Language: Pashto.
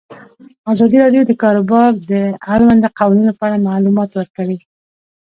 ازادي راډیو د د کار بازار د اړونده قوانینو په اړه معلومات ورکړي.